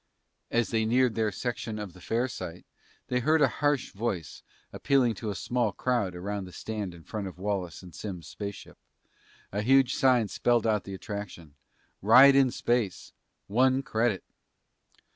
As they neared their section of the fair site they heard a harsh voice appealing to a small crowd around the stand in front of Wallace and Simms' spaceship. A huge sign spelled out the attraction: RIDE IN SPACE ONE CREDIT.